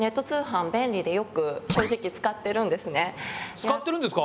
使ってるんですか？